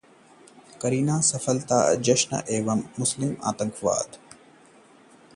करीना की सफलता का जश्न मनाने को बेताब हैं सैफ